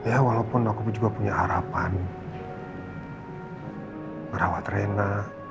ya walaupun aku juga punya harapan merawat rena